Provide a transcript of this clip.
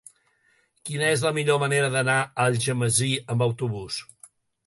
Quina és la millor manera d'anar a Algemesí amb autobús?